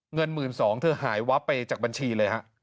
เงิน๑๒๐๐บาทเธอหายวับไปจากบัญชีเลยฮะ